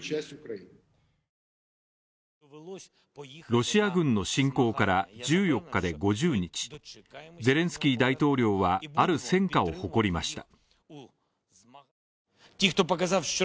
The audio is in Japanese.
ロシア軍の侵攻から１４日で５０日ゼレンスキー大統領はある戦果を誇りました。